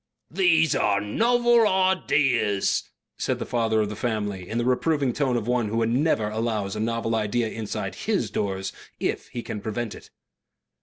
"These are NOVEL ideas," said the father of the family in the reproving tone of one who never allows a novel idea inside HIS doors if he can prevent it.